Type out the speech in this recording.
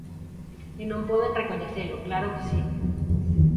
E non poden recoñecelo, ¡claro que si!